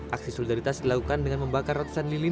aksi solidaritas dilakukan dengan membangkar rotusan lilin